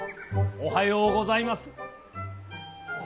おはようございます。